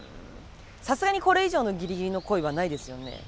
さすがにこれ以上のギリギリの恋はないですよね？